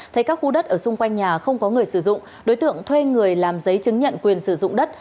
thấy các khu đất ở xung quanh nhà không có người sử dụng đối tượng thuê người làm giấy chứng nhận quyền sử dụng đất